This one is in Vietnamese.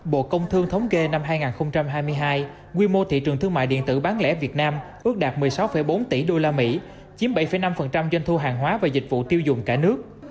bộ công thương thống kê năm hai nghìn hai mươi hai quy mô thị trường thương mại điện tử bán lẻ việt nam ước đạt một mươi sáu bốn tỷ usd chiếm bảy năm doanh thu hàng hóa và dịch vụ tiêu dùng cả nước